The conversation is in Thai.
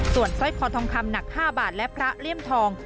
ส่วนสร้อยคอทองคำหนัก๕บาทและพระเลี่ยมทอง